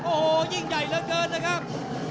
โอ้โหยิ่งใหญ่เหลือเกินนะครับ